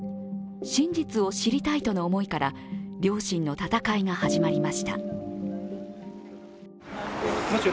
真実を知りたいとの思いから両親の戦いが始まりました。